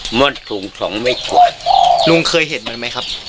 วอดสูงสองเมตรกว่าลุงเคยเห็นมันไหมครับ